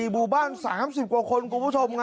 หมู่บ้าน๓๐กว่าคนคุณผู้ชม